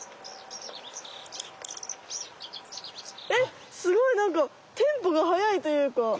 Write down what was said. えっすごいなんかテンポがはやいというか。